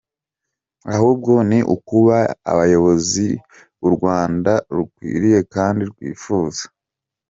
Ahubwo ni ukuba abayobozi u Rwanda rukwiriye kandi rwifuza.